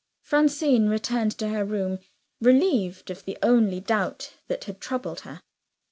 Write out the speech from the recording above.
Francine returned to her room, relieved of the only doubt that had troubled her.